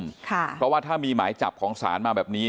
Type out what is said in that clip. เพราะว่าถ้ามีหมายจับของศาลมาแบบนี้